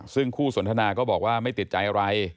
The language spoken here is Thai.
ซึ่งคู่สนทนาก็บอกว่าไม่ติดใจอะไร